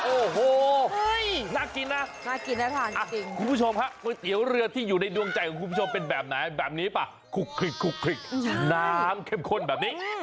โอ้โหน่ากินนะคุณผู้ชมครับก๋วยเตี๋ยวเรือที่อยู่ในดวงใจของคุณผู้ชมเป็นแบบไหนแบบนี้ป่ะคุกคลิกคุกคลิกน้ำเข้มข้นแบบนี้